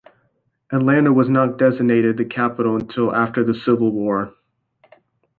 Atlanta was not designated the capital until after the Civil War.